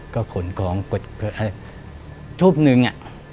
ก็ขนของทุ่มหนึ่ง